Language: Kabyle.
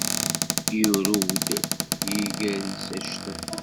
Yurew-d yiger-is actal.